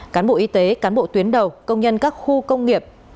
cán bộ y tế cán bộ tuyến đầu công nhân các khu công nghiệp